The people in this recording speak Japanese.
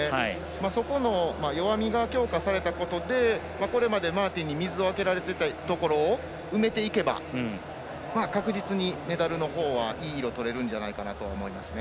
その弱みが強化されたことでこれまでマーティンに水を開けられていたところを埋めていければ確実にメダルのほうはいい色とれるんじゃないかなと思いますね。